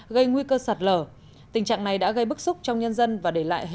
gây nguy cơ sạt lở tình trạng này đã gây bức xúc trong nhân dân và để lại